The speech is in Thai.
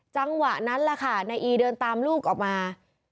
จังหวะนั้นแหละค่ะนายอีเดินตามลูกออกมา